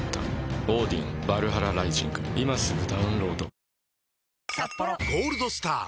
「ビオレ」「ゴールドスター」！